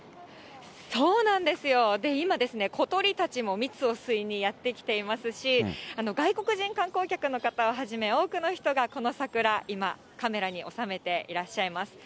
そうなんですよ、今ですね、小鳥たちも蜜を吸いにやって来ていますし、外国人観光客の方をはじめ、多くの人がこの桜、今、カメラに収めていらっしゃいます。